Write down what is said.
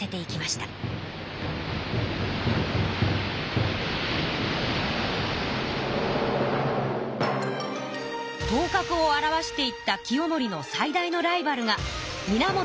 頭角を現していった清盛の最大のライバルが源義朝でした。